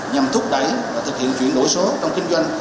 nhằm thúc đẩy và thực hiện chuyển đổi số trong kinh doanh